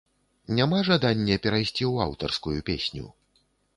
Няма жадання перайсці ў аўтарскую песню?